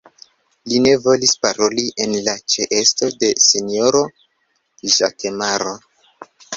Li ne volis paroli en la ĉeesto de sinjoro Ĵakemaro.